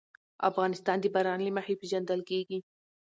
افغانستان د باران له مخې پېژندل کېږي.